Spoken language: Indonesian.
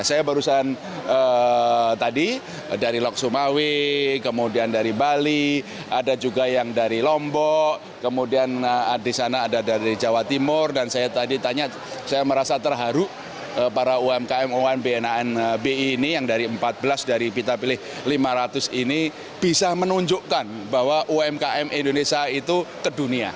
saya barusan tadi dari lok sumawi kemudian dari bali ada juga yang dari lombok kemudian di sana ada dari jawa timur dan saya tadi tanya saya merasa terharu para umkm umkm bni ini yang dari empat belas dari kita pilih lima ratus ini bisa menunjukkan bahwa umkm indonesia itu ke dunia